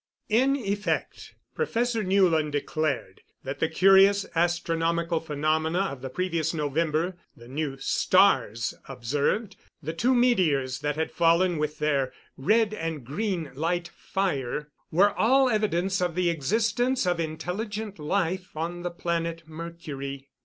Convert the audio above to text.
In effect Professor Newland declared that the curious astronomical phenomena of the previous November the new "stars" observed, the two meteors that had fallen with their red and green light fire were all evidence of the existence of intelligent life on the planet Mercury.